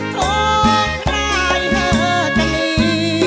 โทษใครจะหนี